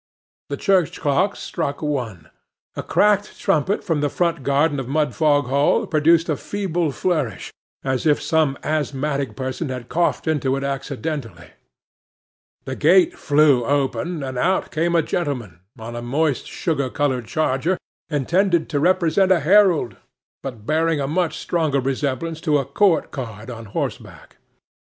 The church clock struck one. A cracked trumpet from the front garden of Mudfog Hall produced a feeble flourish, as if some asthmatic person had coughed into it accidentally; the gate flew open, and out came a gentleman, on a moist sugar coloured charger, intended to represent a herald, but bearing a much stronger resemblance to a court card on horseback.